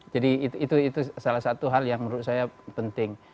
jadi itu salah satu hal yang menurut saya penting